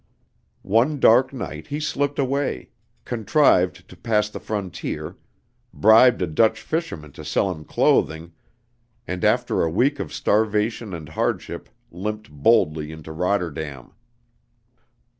One dark night he slipped away, contrived to pass the frontier, bribed a Dutch fisherman to sell him clothing, and after a week of starvation and hardship limped boldly into Rotterdam.